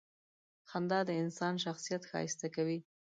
• خندا د انسان شخصیت ښایسته کوي.